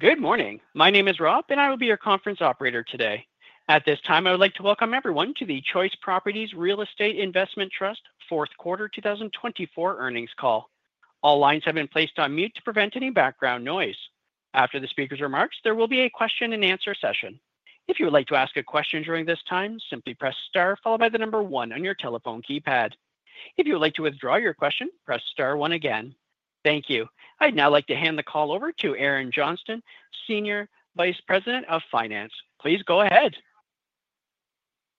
Good morning. My name is Rob, and I will be your conference operator today. At this time, I would like to welcome everyone to the Choice Properties Real Estate Investment Trust Fourth Quarter 2024 earnings call. All lines have been placed on mute to prevent any background noise. After the speaker's remarks, there will be a question-and-answer session. If you would like to ask a question during this time, simply press star followed by the number one on your telephone keypad. If you would like to withdraw your question, press star one again. Thank you. I'd now like to hand the call over to Erin Johnston, Senior Vice President of Finance. Please go ahead.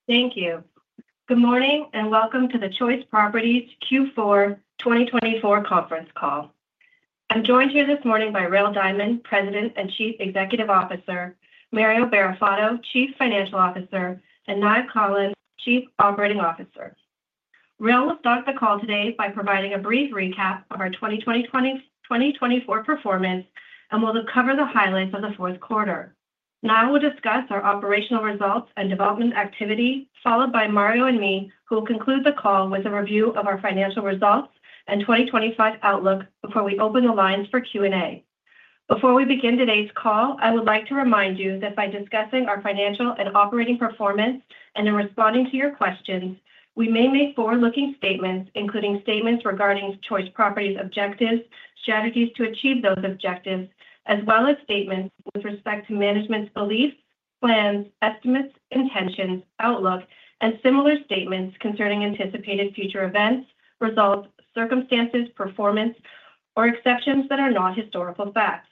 Thank you. Good morning and welcome to the Choice Properties Q4 2024 conference call. I'm joined here this morning by Rael Diamond, President and Chief Executive Officer, Mario Barrafato, Chief Financial Officer, and Niall Collins, Chief Operating Officer. Rael will start the call today by providing a brief recap of our 2024 performance and will cover the highlights of the fourth quarter. Niall will discuss our operational results and development activity, followed by Mario and me, who will conclude the call with a review of our financial results and 2025 outlook before we open the lines for Q&A. Before we begin today's call, I would like to remind you that by discussing our financial and operating performance and in responding to your questions, we may make forward-looking statements, including statements regarding Choice Properties objectives, strategies to achieve those objectives, as well as statements with respect to management's beliefs, plans, estimates, intentions, outlook, and similar statements concerning anticipated future events, results, circumstances, performance, or exceptions that are not historical facts.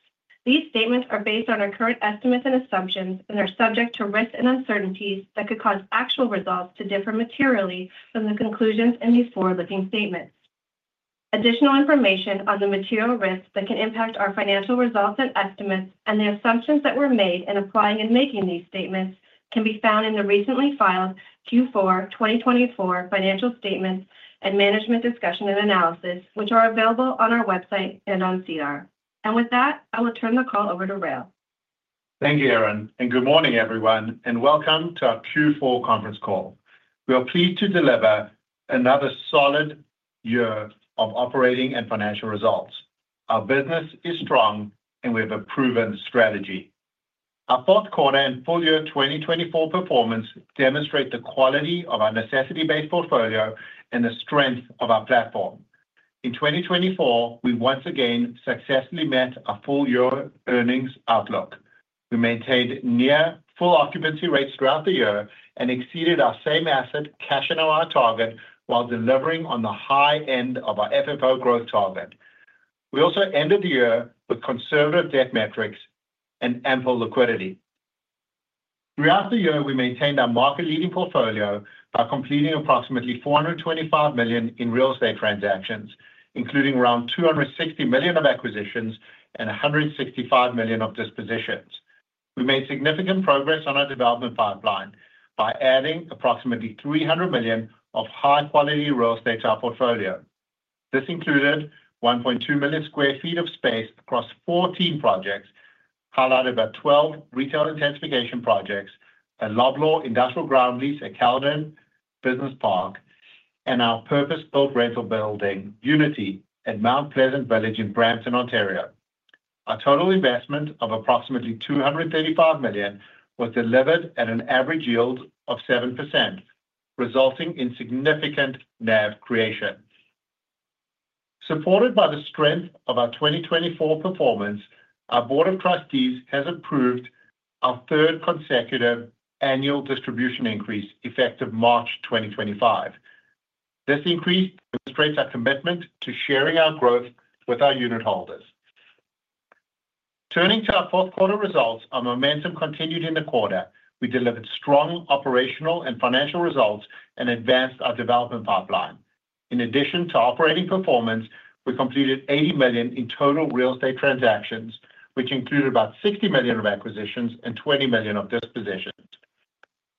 These statements are based on our current estimates and assumptions and are subject to risks and uncertainties that could cause actual results to differ materially from the conclusions in these forward-looking statements. Additional information on the material risks that can impact our financial results and estimates and the assumptions that were made in applying and making these statements can be found in the recently filed Q4 2024 financial statements and management discussion and analysis, which are available on our website and on SEDAR+, and with that, I will turn the call over to Rael. Thank you, Erin. And good morning, everyone, and welcome to our Q4 conference call. We are pleased to deliver another solid year of operating and financial results. Our business is strong, and we have a proven strategy. Our fourth quarter and full year 2024 performance demonstrate the quality of our necessity-based portfolio and the strength of our platform. In 2024, we once again successfully met our full year earnings outlook. We maintained near full occupancy rates throughout the year and exceeded our same-asset cash NOI target while delivering on the high end of our FFO growth target. We also ended the year with conservative debt metrics and ample liquidity. Throughout the year, we maintained our market-leading portfolio by completing approximately 425 million in real estate transactions, including around 260 million of acquisitions and 165 million of dispositions. We made significant progress on our development pipeline by adding approximately 300 million of high-quality real estate to our portfolio. This included 1.2 million sq ft of space across 14 projects, highlighted by 12 retail intensification projects, a Loblaw industrial ground lease at Caledon Business Park, and our purpose-built rental building, Unity, at Mount Pleasant Village in Brampton, Ontario. Our total investment of approximately 235 million was delivered at an average yield of 7%, resulting in significant NAV creation. Supported by the strength of our 2024 performance, our Board of Trustees has approved our third consecutive annual distribution increase effective March 2025. This increase demonstrates our commitment to sharing our growth with our unitholders. Turning to our fourth quarter results, our momentum continued in the quarter. We delivered strong operational and financial results and advanced our development pipeline. In addition to operating performance, we completed 80 million in total real estate transactions, which included about 60 million of acquisitions and 20 million of dispositions.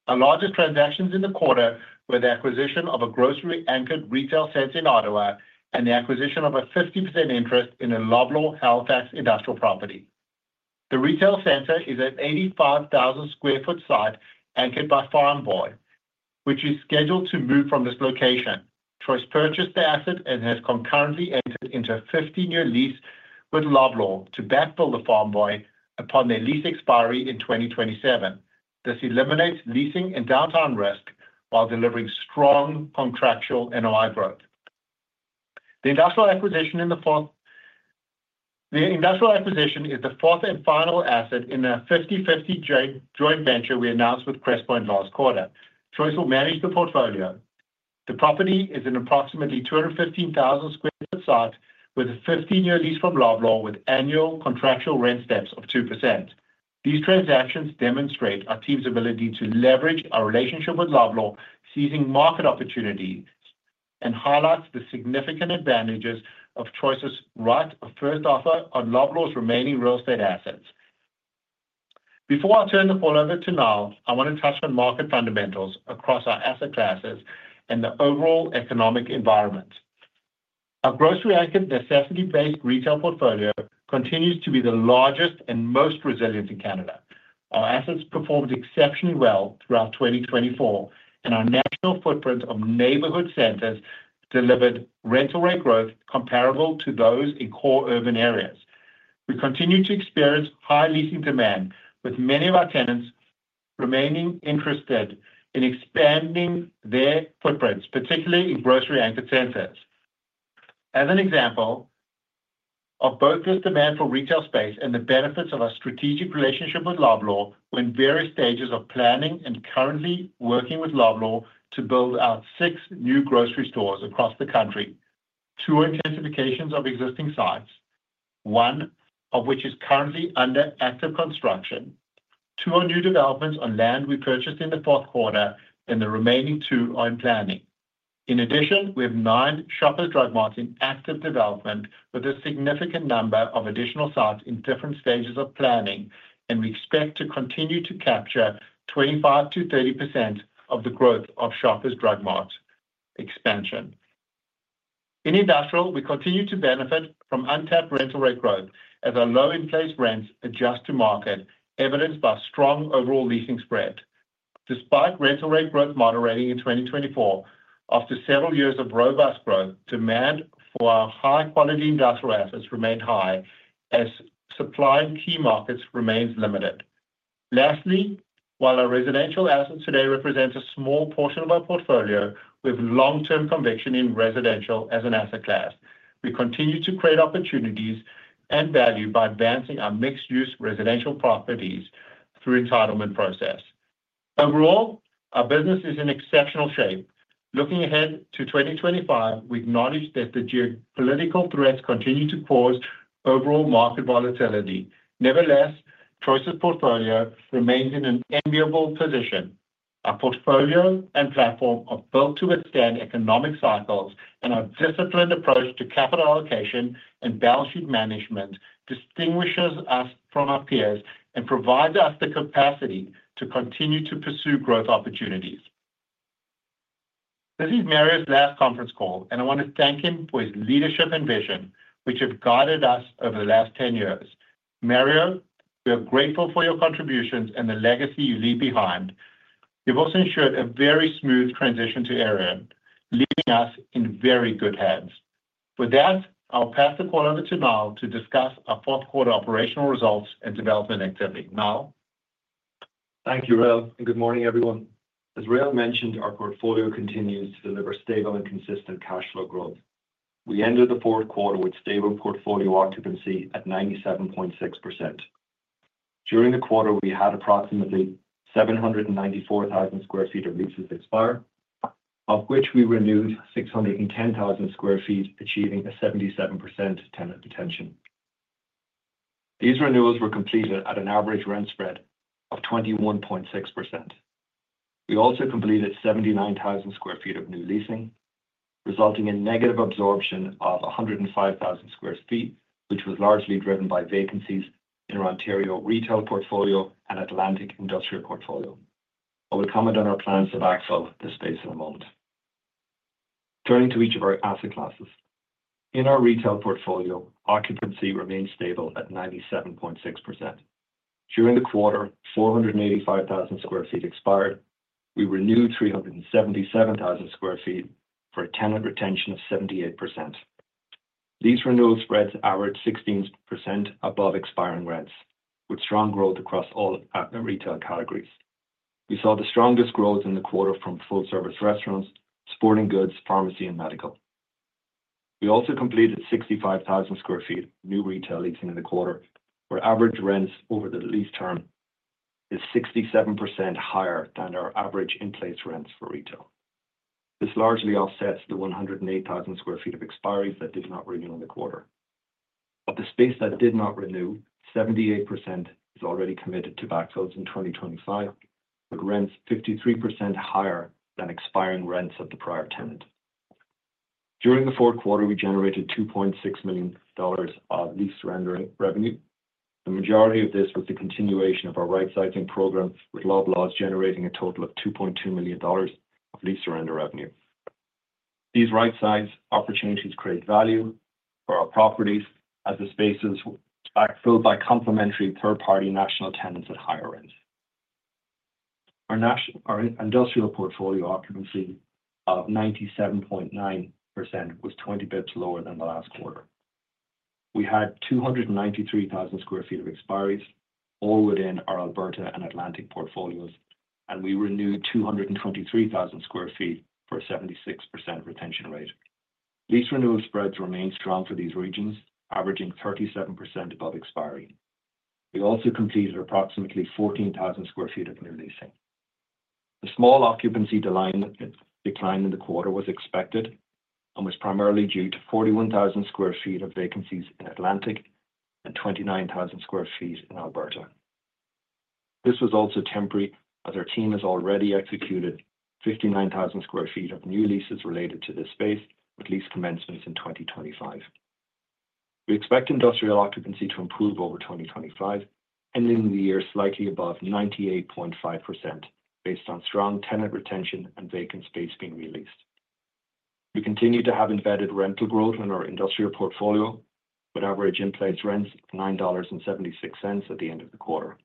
Our largest transactions in the quarter were the acquisition of a grocery-anchored retail center in Ottawa and the acquisition of a 50% interest in a Loblaw Halifax industrial property. The retail center is an 85,000 sq ft site anchored by Farm Boy, which is scheduled to move from this location. Choice purchased the asset and has concurrently entered into a 50 million lease with Loblaw to backfill the Farm Boy upon their lease expiry in 2027. This eliminates leasing and downtime risk while delivering strong contractual NOI growth. The industrial acquisition is the fourth and final asset in a 50/50 joint venture we announced with Crestpoint last quarter. Choice will manage the portfolio. The property is an approximately 215,000 sq ft site with a 50 million lease from Loblaw with annual contractual rent steps of 2%. These transactions demonstrate our team's ability to leverage our relationship with Loblaw, seizing market opportunities, and highlight the significant advantages of Choice's right of first offer on Loblaw's remaining real estate assets. Before I turn the call over to Niall, I want to touch on market fundamentals across our asset classes and the overall economic environment. Our grocery-anchored necessity-based retail portfolio continues to be the largest and most resilient in Canada. Our assets performed exceptionally well throughout 2024, and our national footprint of neighborhood centers delivered rental-rate growth comparable to those in core urban areas. We continue to experience high leasing demand, with many of our tenants remaining interested in expanding their footprints, particularly in grocery-anchored centers. As an example of both this demand for retail space and the benefits of our strategic relationship with Loblaw, we're in various stages of planning and currently working with Loblaw to build our six new grocery stores across the country. Two are intensifications of existing sites, one of which is currently under active construction. Two are new developments on land we purchased in the fourth quarter, and the remaining two are in planning. In addition, we have nine Shoppers Drug Marts in active development, with a significant number of additional sites in different stages of planning, and we expect to continue to capture 25%-30% of the growth of Shoppers Drug Mart expansion. In industrial, we continue to benefit from untapped rental-rate growth as our low-in-place rents adjust to market, evidenced by strong overall leasing spread. Despite rental-rate growth moderating in 2024, after several years of robust growth, demand for our high-quality industrial assets remained high as supply in key markets remains limited. Lastly, while our residential assets today represent a small portion of our portfolio, we have long-term conviction in residential as an asset class. We continue to create opportunities and value by advancing our mixed-use residential properties through the entitlement process. Overall, our business is in exceptional shape. Looking ahead to 2025, we acknowledge that the geopolitical threats continue to cause overall market volatility. Nevertheless, Choice's portfolio remains in an enviable position. Our portfolio and platform are built to withstand economic cycles, and our disciplined approach to capital allocation and balance sheet management distinguishes us from our peers and provides us the capacity to continue to pursue growth opportunities. This is Mario's last conference call, and I want to thank him for his leadership and vision, which have guided us over the last 10 years. Mario, we are grateful for your contributions and the legacy you leave behind. You've also ensured a very smooth transition to Erin, leaving us in very good hands. With that, I'll pass the call over to Niall to discuss our fourth quarter operational results and development activity. Niall? Thank you, Rael, and good morning, everyone. As Rael mentioned, our portfolio continues to deliver stable and consistent cash flow growth. We ended the fourth quarter with stable portfolio occupancy at 97.6%. During the quarter, we had approximately 794,000 sq ft of leases expire, of which we renewed 610,000 sq ft, achieving a 77% tenant retention. These renewals were completed at an average rent spread of 21.6%. We also completed 79,000 sq ft of new leasing, resulting in negative absorption of 105,000 sq ft, which was largely driven by vacancies in our Ontario retail portfolio and Atlantic industrial portfolio. I will comment on our plans to backfill this space in a moment. Turning to each of our asset classes, in our retail portfolio, occupancy remained stable at 97.6%. During the quarter, 485,000 sq ft expired. We renewed 377,000 sq ft for a tenant retention of 78%. These renewal spreads averaged 16% above expiring rents, with strong growth across all retail categories. We saw the strongest growth in the quarter from full-service restaurants, sporting goods, pharmacy, and medical. We also completed 65,000 sq ft of new retail leasing in the quarter, where average rents over the lease term is 67% higher than our average in-place rents for retail. This largely offsets the 108,000 sq ft of expiries that did not renew in the quarter. Of the space that did not renew, 78% is already committed to backfills in 2025, with rents 53% higher than expiring rents of the prior tenant. During the fourth quarter, we generated 2.6 million dollars of lease surrender revenue. The majority of this was the continuation of our rightsizing program, with Loblaw generating a total of 2.2 million dollars of lease surrender revenue. These right-size opportunities create value for our properties as the spaces are backfilled by complementary third-party national tenants at higher rents. Our industrial portfolio occupancy of 97.9% was 20 basis points lower than the last quarter. We had 293,000 sq ft of expiries, all within our Alberta and Atlantic portfolios, and we renewed 223,000 sq ft for a 76% retention rate. Lease renewal spreads remained strong for these regions, averaging 37% above expiry. We also completed approximately 14,000 sq ft of new leasing. A small occupancy decline in the quarter was expected and was primarily due to 41,000 sq ft of vacancies in Atlantic and 29,000 sq ft in Alberta. This was also temporary, as our team has already executed 59,000 sq ft of new leases related to this space with lease commencements in 2025. We expect industrial occupancy to improve over 2025, ending the year slightly above 98.5% based on strong tenant retention and vacant space being released. We continue to have embedded rental growth in our industrial portfolio with average in-place rents of 9.76 dollars at the end of the quarter.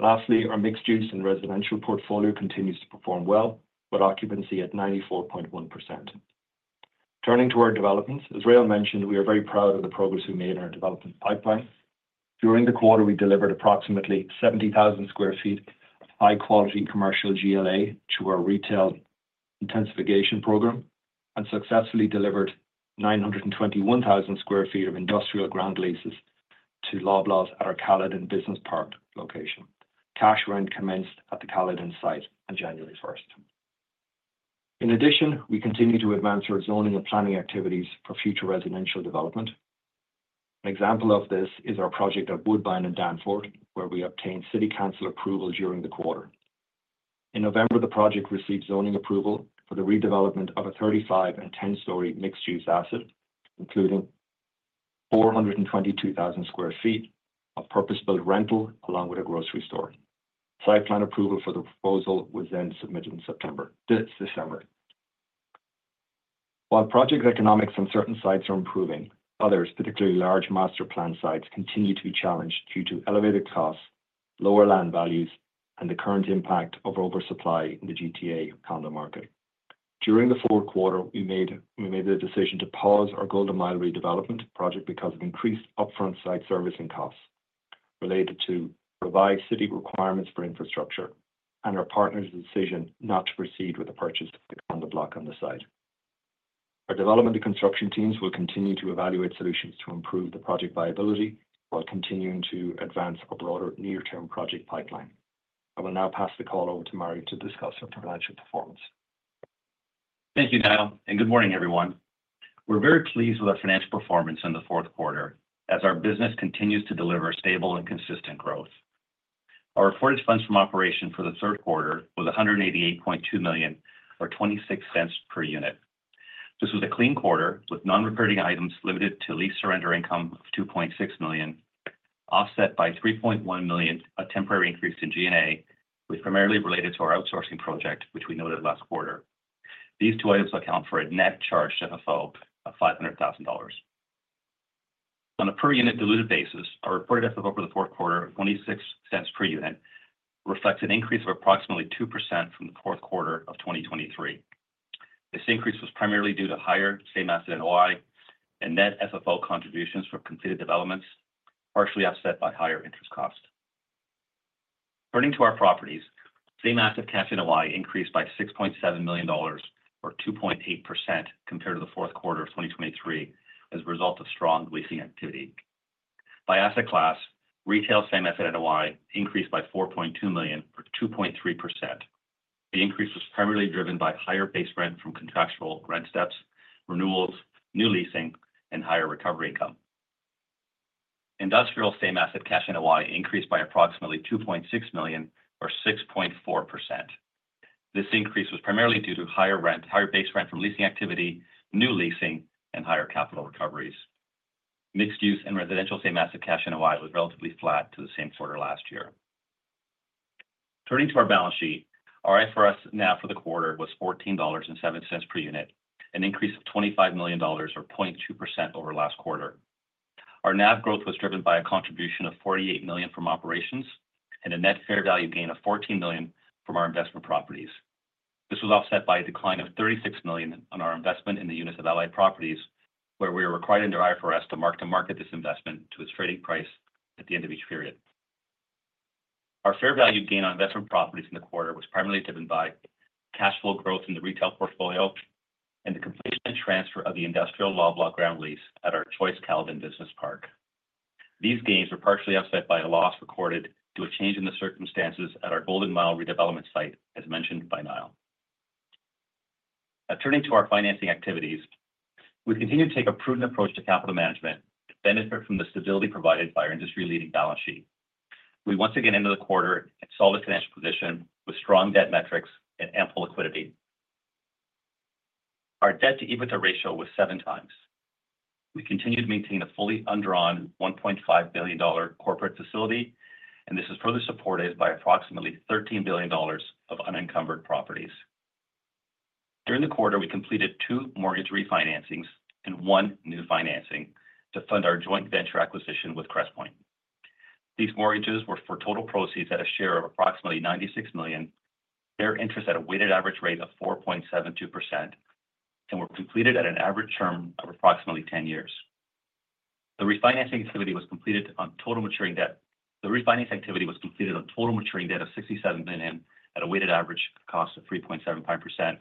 Lastly, our mixed-use and residential portfolio continues to perform well with occupancy at 94.1%. Turning to our developments, as Rael mentioned, we are very proud of the progress we made in our development pipeline. During the quarter, we delivered approximately 70,000 sq ft of high-quality commercial GLA to our retail intensification program and successfully delivered 921,000 sq ft of industrial ground leases to Loblaw at our Caledon Business Park location. Cash rent commenced at the Caledon site on January 1st. In addition, we continue to advance our zoning and planning activities for future residential development. An example of this is our project at Woodbine and Danforth, where we obtained city council approval during the quarter. In November, the project received zoning approval for the redevelopment of a 35- and 10-story mixed-use asset, including 422,000 sq ft of purpose-built rental along with a grocery store. Site plan approval for the proposal was then submitted in December. While project economics on certain sites are improving, others, particularly large master plan sites, continue to be challenged due to elevated costs, lower land values, and the current impact of oversupply in the GTA condo market. During the fourth quarter, we made the decision to pause our Golden Mile redevelopment project because of increased upfront site servicing costs related to revised city requirements for infrastructure and our partner's decision not to proceed with the purchase of the condo block on the site. Our development and construction teams will continue to evaluate solutions to improve the project viability while continuing to advance a broader near-term project pipeline. I will now pass the call over to Mario to discuss our financial performance. Thank you, Niall, and good morning, everyone. We're very pleased with our financial performance in the fourth quarter as our business continues to deliver stable and consistent growth. Our reported Funds From Operations for the fourth quarter was 188.2 million, or 0.26 per unit. This was a clean quarter with non-reporting items limited to lease surrender income of 2.6 million, offset by 3.1 million, a temporary increase in G&A, which primarily related to our outsourcing project, which we noted last quarter. These two items account for a net charge to FFO of 500,000 dollars. On a per-unit diluted basis, our reported FFO for the fourth quarter of 0.26 per unit reflects an increase of approximately 2% from the fourth quarter of 2023. This increase was primarily due to higher same-asset NOI and net FFO contributions for completed developments, partially offset by higher interest costs. Turning to our properties, same-asset cash NOI increased by 6.7 million dollars, or 2.8%, compared to the fourth quarter of 2023 as a result of strong leasing activity. By asset class, retail same-asset NOI increased by 4.2 million, or 2.3%. The increase was primarily driven by higher base rent from contractual rent steps, renewals, new leasing, and higher recovery income. Industrial same-asset cash NOI increased by approximately 2.6 million, or 6.4%. This increase was primarily due to higher rent, higher base rent from leasing activity, new leasing, and higher capital recoveries. Mixed-use and residential same-asset cash NOI was relatively flat to the same quarter last year. Turning to our balance sheet, our IFRS NAV for the quarter was 14.07 dollars per unit, an increase of 25 million dollars, or 0.2%, over last quarter. Our NAV growth was driven by a contribution of 48 million from operations and a net fair value gain of 14 million from our investment properties. This was offset by a decline of 36 million on our investment in the units of Loblaw properties, where we are required under IFRS to mark to market this investment to its trading price at the end of each period. Our fair value gain on investment properties in the quarter was primarily driven by cash flow growth in the retail portfolio and the completion and transfer of the industrial Loblaw ground lease at our Caledon Business Park. These gains were partially offset by a loss recorded due to a change in the circumstances at our Golden Mile redevelopment site, as mentioned by Niall. Turning to our financing activities, we continue to take a prudent approach to capital management to benefit from the stability provided by our industry-leading balance sheet. We once again ended the quarter and saw the financial position with strong debt metrics and ample liquidity. Our Debt-to-EBITDA ratio was seven times. We continue to maintain a fully undrawn $1.5 billion corporate facility, and this is further supported by approximately $13 billion of unencumbered properties. During the quarter, we completed two mortgage refinancings and one new financing to fund our joint venture acquisition with Crestpoint. These mortgages were for total proceeds at a share of approximately $96 million, fair interest at a weighted average rate of 4.72%, and were completed at an average term of approximately 10 years. The refinancing activity was completed on total maturing debt. The refinance activity was completed on total maturing debt of 67 million at a weighted average cost of 3.75%,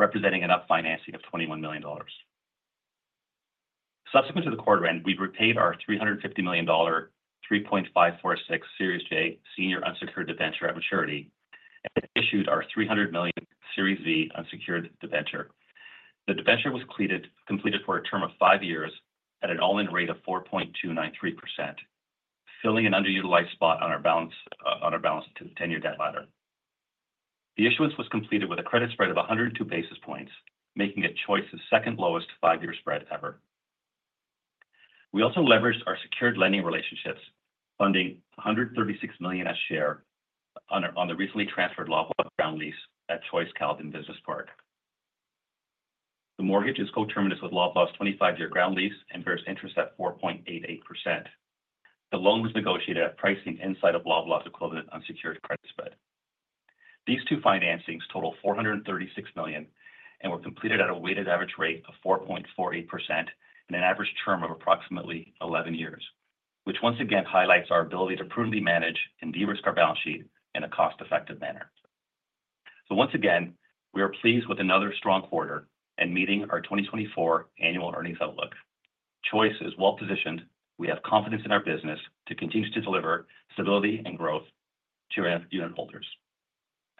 representing an upfinancing of 21 million dollars. Subsequent to the quarter end, we repaid our 350 million dollar, 3.546% Series J Senior Unsecured Debenture at maturity and issued our 300 million Series V Unsecured Debenture. The debenture was completed for a term of five years at an all-in rate of 4.293%, filling an underutilized spot on our balance sheet to the 10-year debt ladder. The issuance was completed with a credit spread of 102 basis points, making it Choice's second lowest five-year spread ever. We also leveraged our secured lending relationships, funding 136 million as our share on the recently transferred Loblaw ground lease at Choice's Caledon Business Park. The mortgage is co-terminated with Loblaw's 25-year ground lease and bears interest at 4.88%. The loan was negotiated at pricing inside of Loblaw's equivalent unsecured credit spread. These two financings total 436 million and were completed at a weighted average rate of 4.48% and an average term of approximately 11 years, which once again highlights our ability to prudently manage and de-risk our balance sheet in a cost-effective manner. So once again, we are pleased with another strong quarter and meeting our 2024 annual earnings outlook. Choice is well-positioned. We have confidence in our business to continue to deliver stability and growth to our unit holders.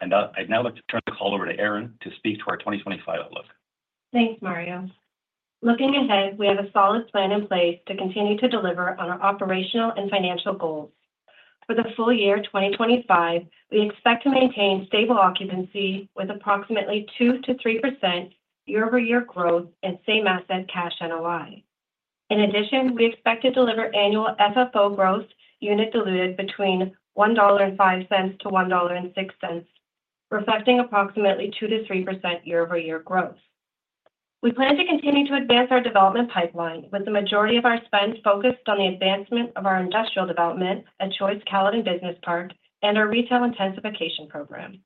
And I'd now like to turn the call over to Erin to speak to our 2025 outlook. Thanks, Mario. Looking ahead, we have a solid plan in place to continue to deliver on our operational and financial goals. For the full year 2025, we expect to maintain stable occupancy with approximately 2%-3% year-over-year growth in Same-Asset Cash NOI. In addition, we expect to deliver annual FFO growth unit diluted between 1.05-1.06 dollar, reflecting approximately 2%-3% year-over-year growth. We plan to continue to advance our development pipeline with the majority of our spend focused on the advancement of our industrial development at Caledon Business Park and our retail intensification program.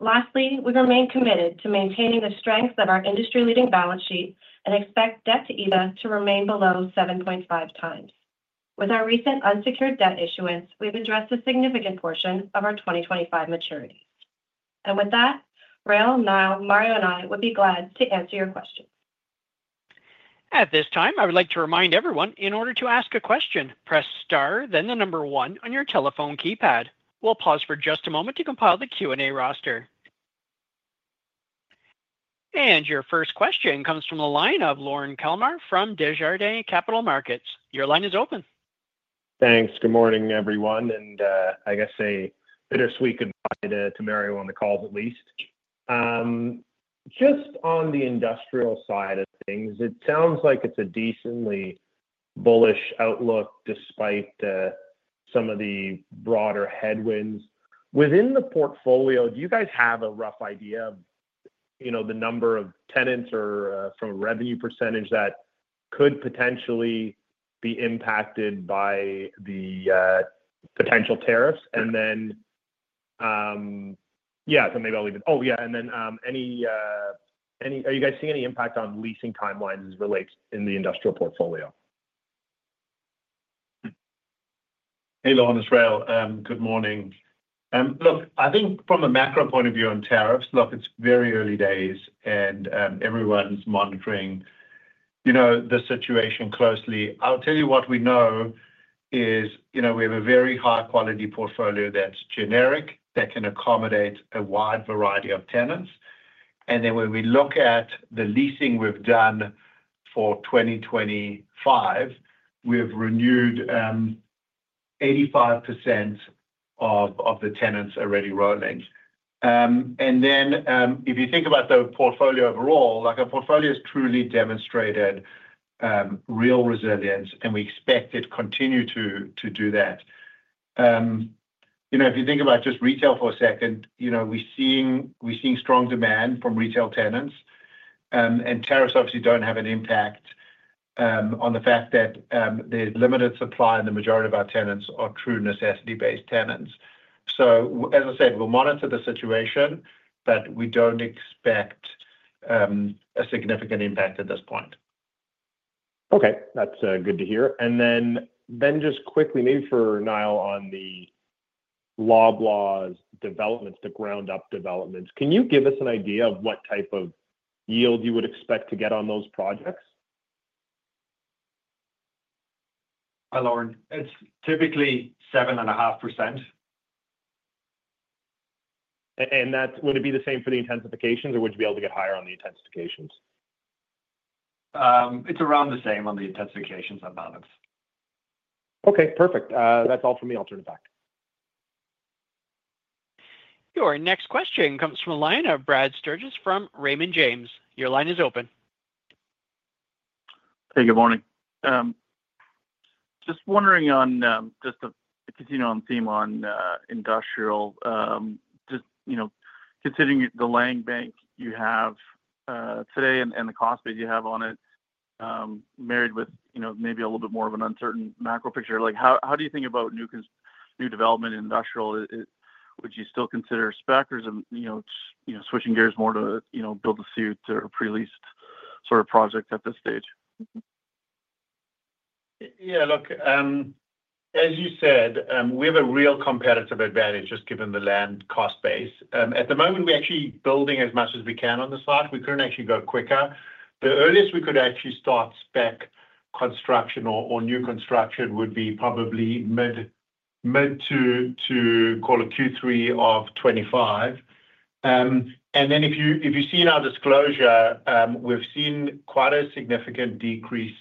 Lastly, we remain committed to maintaining the strength of our industry-leading balance sheet and expect Debt to EBITDA to remain below 7.5x. With our recent unsecured debt issuance, we've addressed a significant portion of our 2025 maturities. With that, Rael, Niall, Mario, and I would be glad to answer your questions. At this time, I would like to remind everyone, in order to ask a question, press star, then the number one on your telephone keypad. We'll pause for just a moment to compile the Q&A roster. And your first question comes from the line of Lorne Kalmar from Desjardins Capital Markets. Your line is open. Thanks. Good morning, everyone. And I guess a bittersweet goodbye to Mario on the call, at least. Just on the industrial side of things, it sounds like it's a decently bullish outlook despite some of the broader headwinds. Within the portfolio, do you guys have a rough idea of the number of tenants or from a revenue percentage that could potentially be impacted by the potential tariffs? And then, yeah, so maybe I'll leave it. Oh, yeah. And then are you guys seeing any impact on leasing timelines as it relates in the industrial portfolio? Hey, Lorne. It's Rael, good morning. Look, I think from a macro point of view on tariffs, look, it's very early days, and everyone's monitoring the situation closely. I'll tell you what we know is we have a very high-quality portfolio that's generic, that can accommodate a wide variety of tenants. And then when we look at the leasing we've done for 2025, we've renewed 85% of the tenants already rolling. And then if you think about the portfolio overall, our portfolio has truly demonstrated real resilience, and we expect it to continue to do that. If you think about just retail for a second, we're seeing strong demand from retail tenants, and tariffs obviously don't have an impact on the fact that the limited supply and the majority of our tenants are true necessity-based tenants. So as I said, we'll monitor the situation, but we don't expect a significant impact at this point. Okay. That's good to hear. And then just quickly, maybe for Niall on the Loblaw's developments, the ground-up developments, can you give us an idea of what type of yield you would expect to get on those projects? Hi, Lorne. It's typically 7.5%. And would it be the same for the intensifications, or would you be able to get higher on the intensifications? It's around the same on the intensifications and balance. Okay. Perfect. That's all from me. I'll turn it back. Your next question comes from a line of Brad Sturges from Raymond James. Your line is open. Hey, good morning. Just wondering on just to continue on the theme on industrial, just considering the land bank you have today and the cost base you have on it, married with maybe a little bit more of an uncertain macro picture. How do you think about new development in industrial? Would you still consider spec or switching gears more to build-to-suit or a pre-leased sort of project at this stage? Yeah. Look, as you said, we have a real competitive advantage just given the land cost base. At the moment, we're actually building as much as we can on the site. We couldn't actually go quicker. The earliest we could actually start spec construction or new construction would be probably mid to, call it, Q3 of 2025. And then if you see in our disclosure, we've seen quite a significant decrease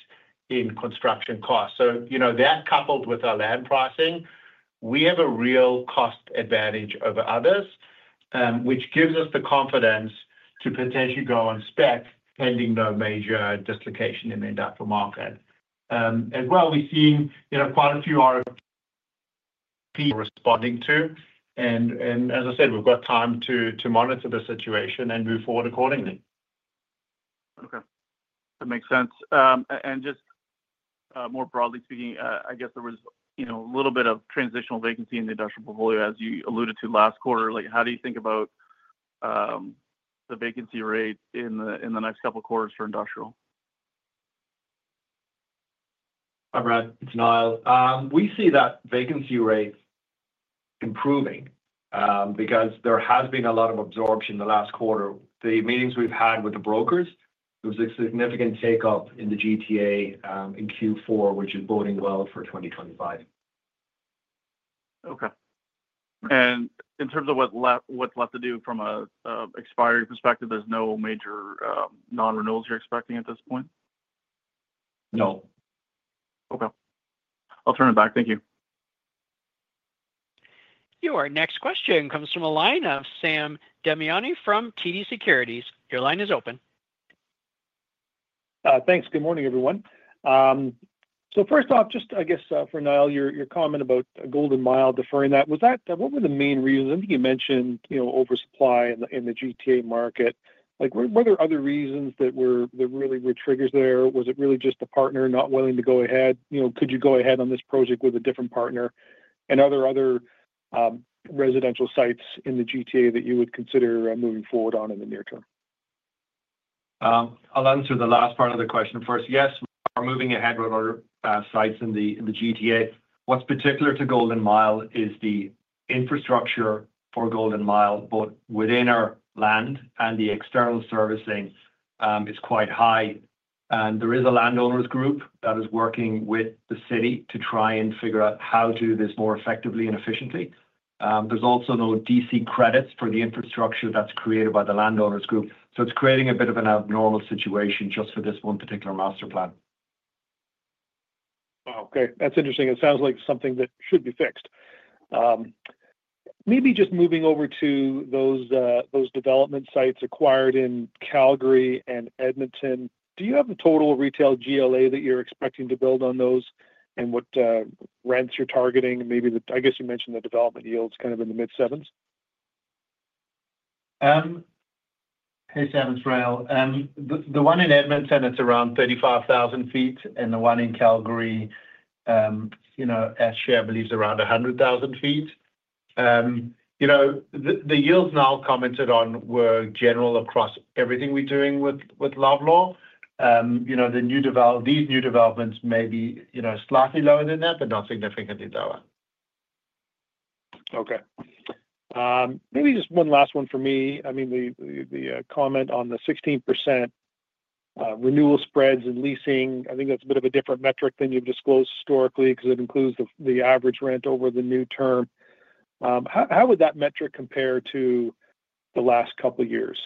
in construction costs. So that coupled with our land pricing, we have a real cost advantage over others, which gives us the confidence to potentially go on spec pending no major dislocation in the industrial market. As well, we're seeing quite a few RFP responding to. And as I said, we've got time to monitor the situation and move forward accordingly. Okay. That makes sense. And just more broadly speaking, I guess there was a little bit of transitional vacancy in the industrial portfolio, as you alluded to last quarter. How do you think about the vacancy rate in the next couple of quarters for industrial? Hi, Brad. It's Niall. We see that vacancy rate improving because there has been a lot of absorption in the last quarter. The meetings we've had with the brokers, there was a significant takeoff in the GTA in Q4, which is boding well for 2025. Okay. And in terms of what's left to do from an expiry perspective, there's no major non-renewals you're expecting at this point? No. Okay. I'll turn it back. Thank you. Your next question comes from a line of Sam Damiani from TD Securities. Your line is open. Thanks. Good morning, everyone. So first off, just I guess for Niall, your comment about the Golden Mile deferring that, what were the main reasons? I think you mentioned oversupply in the GTA market. Were there other reasons that really were triggers there? Was it really just the partner not willing to go ahead? Could you go ahead on this project with a different partner? And are there other residential sites in the GTA that you would consider moving forward on in the near term? I'll answer the last part of the question first. Yes, we are moving ahead with other sites in the GTA. What's particular to Golden Mile is the infrastructure for Golden Mile, both within our land and the external servicing is quite high. And there is a landowner's group that is working with the city to try and figure out how to do this more effectively and efficiently. There's also no DC credits for the infrastructure that's created by the landowner's group. So it's creating a bit of an abnormal situation just for this one particular master plan. Wow. Okay. That's interesting. It sounds like something that should be fixed. Maybe just moving over to those development sites acquired in Calgary and Edmonton. Do you have a total retail GLA that you're expecting to build on those and what rents you're targeting? Maybe I guess you mentioned the development yield's kind of in the mid-sevens? Hey, Sam. It's Rael. The one in Edmonton, it's around 35,000 ft, and the one in Calgary, a site we believe is around 100,000 ft. The yields Niall commented on were general across everything we're doing with Loblaw. These new developments may be slightly lower than that, but not significantly lower. Okay. Maybe just one last one for me. I mean, the comment on the 16% renewal spreads and leasing, I think that's a bit of a different metric than you've disclosed historically because it includes the average rent over the new term. How would that metric compare to the last couple of years?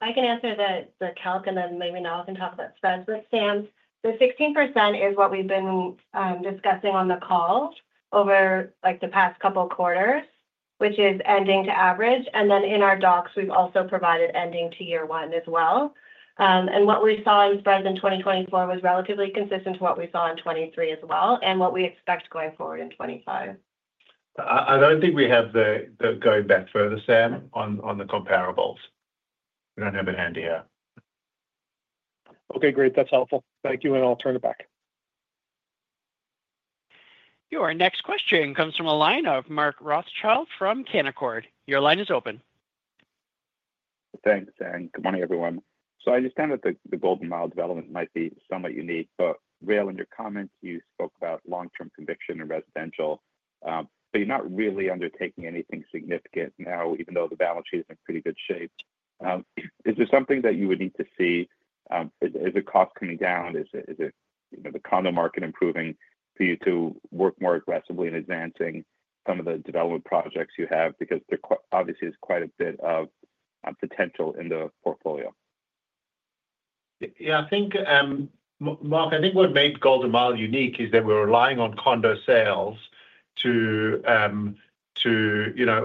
I can answer the calc, and then maybe Niall can talk about spreads, but Sam, the 16% is what we've been discussing on the call over the past couple of quarters, which is ending to average, and then in our docs, we've also provided ending to year one as well, and what we saw in spreads in 2024 was relatively consistent to what we saw in 2023 as well and what we expect going forward in 2025. I don't think we have the going back further, Sam, on the comparables. We don't have it handy here. Okay. Great. That's helpful. Thank you, and I'll turn it back. Your next question comes from a line of Mark Rothschild from Canaccord Genuity. Your line is open. Thanks. Good morning, everyone. So I understand that the Golden Mile development might be somewhat unique, but Rael, in your comments, you spoke about long-term conviction and residential, but you're not really undertaking anything significant now, even though the balance sheet is in pretty good shape. Is there something that you would need to see? Is the cost coming down? Is the condo market improving for you to work more aggressively in advancing some of the development projects you have? Because there obviously is quite a bit of potential in the portfolio. Yeah. Mark, I think what made Golden Mile unique is that we're relying on condo sales to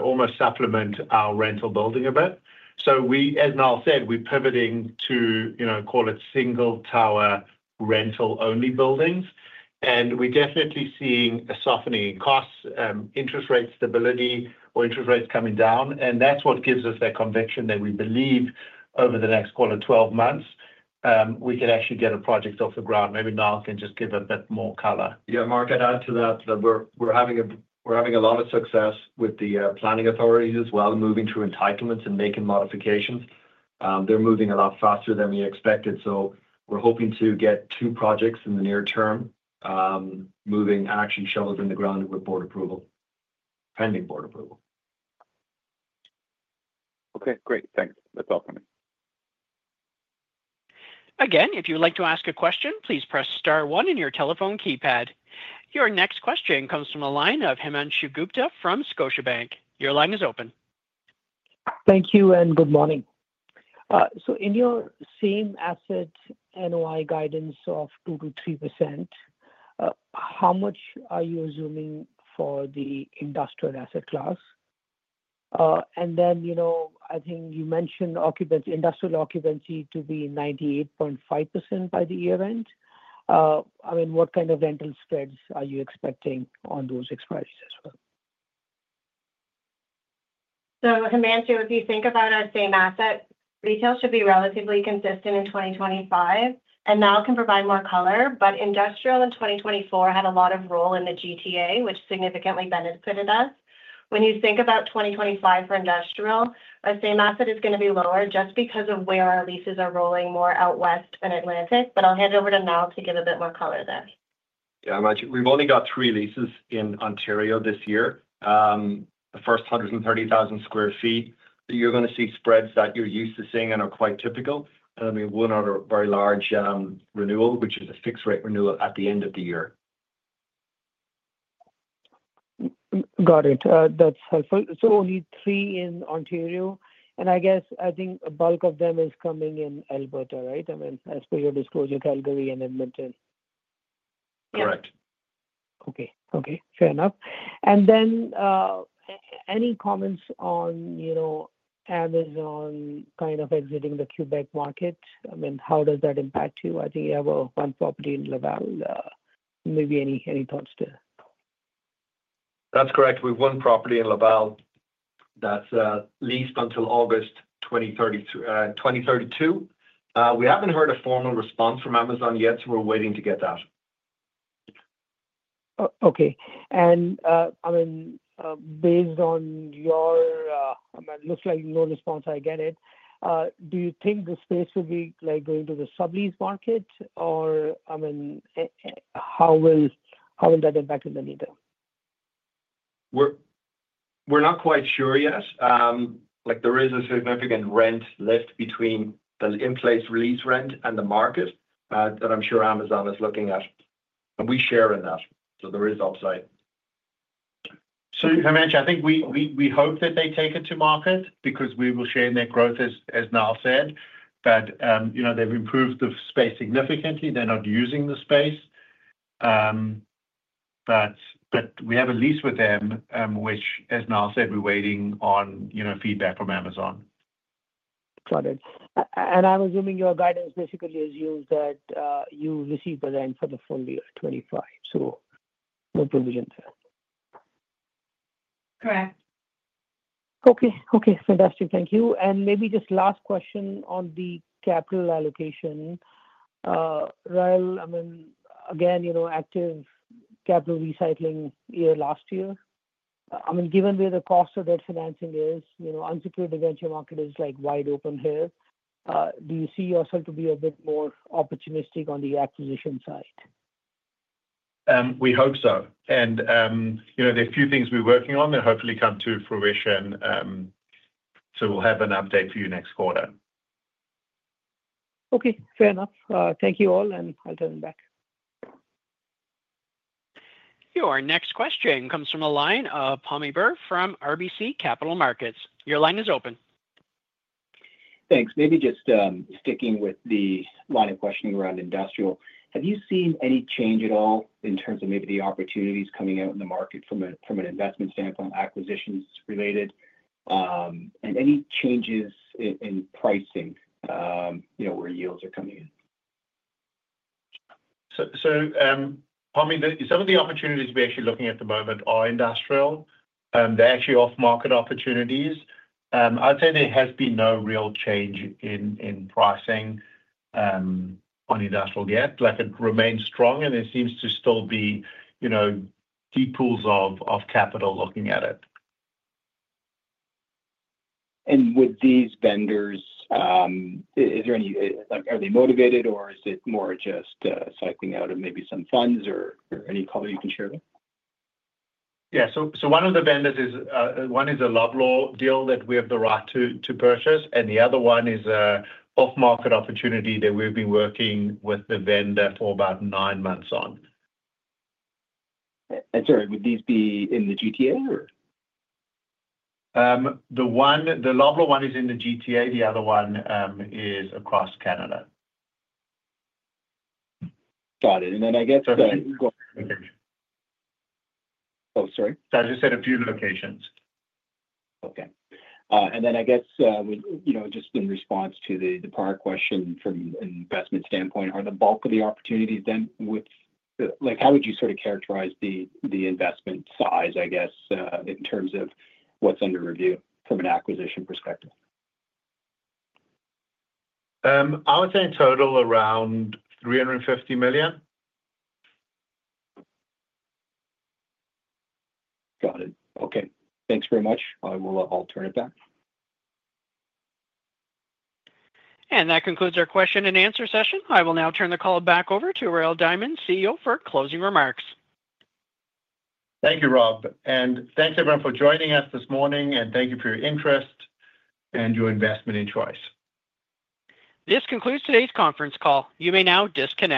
almost supplement our rental building a bit. So as Niall said, we're pivoting to, call it, single-tower rental-only buildings. And we're definitely seeing a softening in costs, interest rate stability, or interest rates coming down. And that's what gives us that conviction that we believe over the next 12 months, we can actually get a project off the ground. Maybe Niall can just give a bit more color. Yeah. Mark, I'd add to that that we're having a lot of success with the planning authorities as well, moving through entitlements and making modifications. They're moving a lot faster than we expected. So we're hoping to get two projects in the near term moving and actually shoveled in the ground with board approval, pending board approval. Okay. Great. Thanks. That's all from me. Again, if you'd like to ask a question, please press star one in your telephone keypad. Your next question comes from a line of Himanshu Gupta from Scotiabank. Your line is open. Thank you and good morning. So in your same asset NOI guidance of 2%-3%, how much are you assuming for the industrial asset class? And then I think you mentioned industrial occupancy to be 98.5% by the year end. I mean, what kind of rental spreads are you expecting on those expiry as well? Himanshu, if you think about our same asset, retail should be relatively consistent in 2025. Niall can provide more color, but industrial in 2024 had a lot of roll in the GTA, which significantly benefited us. When you think about 2025 for industrial, our same asset is going to be lower just because of where our leases are rolling more out west and Atlantic. I'll hand it over to Niall to give a bit more color there. Yeah. We've only got three leases in Ontario this year. The first 130,000 sq ft, you're going to see spreads that you're used to seeing and are quite typical. And then we will have a very large renewal, which is a fixed-rate renewal at the end of the year. Got it. That's helpful. So only three in Ontario. And I guess I think a bulk of them is coming in Alberta, right? I mean, as per your disclosure, Calgary and Edmonton. Correct. Okay. Okay. Fair enough. And then any comments on Amazon kind of exiting the Quebec market? I mean, how does that impact you? I think you have one property in Laval. Maybe any thoughts there? That's correct. We have one property in Laval that's leased until August 2032. We haven't heard a formal response from Amazon yet, so we're waiting to get that. Okay. And I mean, based on your I mean, it looks like no response, I get it. Do you think the space will be going to the sub-lease market? Or I mean, how will that impact in the near term? We're not quite sure yet. There is a significant rent left between the in-place lease rent and the market that I'm sure Amazon is looking at. And we share in that. So there is upside. So Himanshu, I think we hope that they take it to market because we will share in their growth, as Niall said. But they've improved the space significantly. They're not using the space. But we have a lease with them, which, as Niall said, we're waiting on feedback from Amazon. Got it, and I'm assuming your guidance basically assumes that you receive the rent for the full year, 2025, so no provisions there. Correct. Okay. Okay. Fantastic. Thank you. And maybe just last question on the capital allocation. Rael, I mean, again, active capital recycling year last year. I mean, given where the cost of that financing is, unsecured debenture market is wide open here. Do you see yourself to be a bit more opportunistic on the acquisition side? We hope so, and there are a few things we're working on that hopefully come to fruition, so we'll have an update for you next quarter. Okay. Fair enough. Thank you all, and I'll turn it back. Your next question comes from a line of Pammi Bir from RBC Capital Markets. Your line is open. Thanks. Maybe just sticking with the line of questioning around industrial, have you seen any change at all in terms of maybe the opportunities coming out in the market from an investment standpoint, acquisitions related, and any changes in pricing where yields are coming in? So, Pammi Bir, some of the opportunities we're actually looking at at the moment are industrial. They're actually off-market opportunities. I'd say there has been no real change in pricing on industrial yet. It remains strong, and there seems to still be deep pools of capital looking at it. With these vendors, are they motivated, or is it more just cycling out of maybe some funds or any comment you can share with? Yeah. So one of the vendors is a Loblaw deal that we have the right to purchase, and the other one is an off-market opportunity that we've been working with the vendor for about nine months on. Sorry, would these be in the GTA, or? The Loblaw one is in the GTA. The other one is across Canada. Got it, and then I guess. Oh, sorry. I just said a few locations. Okay. And then I guess just in response to the prior question from an investment standpoint, are the bulk of the opportunities then with how would you sort of characterize the investment size, I guess, in terms of what's under review from an acquisition perspective? I would say in total around 350 million. Got it. Okay. Thanks very much. I will turn it back. That concludes our question and answer session. I will now turn the call back over to Rael Diamond, CEO, for closing remarks. Thank you, Rob. And thanks everyone for joining us this morning, and thank you for your interest and your investment in Choice. This concludes today's conference call. You may now disconnect.